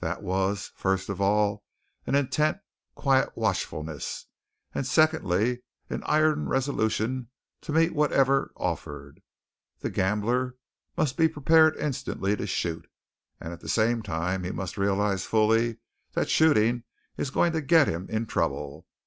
That was, first of all, an intent, quiet watchfulness; and, secondly, an iron resolution to meet whatever offered. The gambler must be prepared instantly to shoot; and at the same time he must realize fully that shooting is going to get him in trouble.